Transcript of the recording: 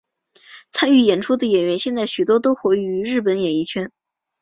参与演出的演员现在许多都活跃于日本演艺圈。